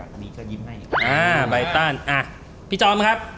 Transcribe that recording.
วันนี้ก็ยิ้มให้อ่าใบตันอ่ะพี่จอมครับ